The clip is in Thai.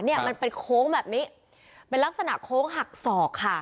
เนี่ยมันเป็นโค้งแบบนี้เป็นลักษณะโค้งหักศอกค่ะ